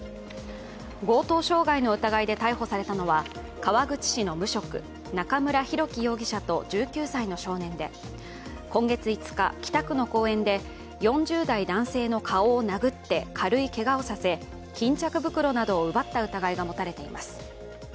強盗傷害の疑いで逮捕されたのは川口市の無職中村博樹容疑者と１９歳の少年で今月５日、北区の公園で４０代男性の顔を殴って軽いけがをさせ巾着袋などを奪った疑いが持たれています。